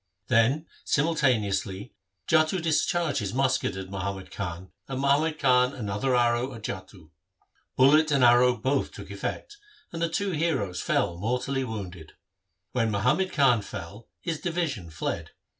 Then simultaneously Jattu dis charged his musket at Muhammad Khan, and Muhammad Khan another arrow at Jattu. Bullet and arrow both took effect, and the two heroes fell mortally wounded. When Muhammad Khan fell, his division fled.